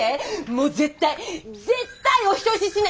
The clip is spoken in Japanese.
もう絶対絶対お人よししな。